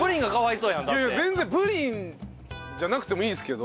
いやいや全然プリンじゃなくてもいいんですけど。